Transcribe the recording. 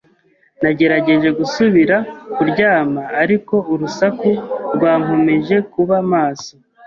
[S] Nagerageje gusubira kuryama, ariko urusaku rwankomeje kuba maso.